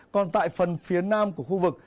còn tại phần phía nam của khu vực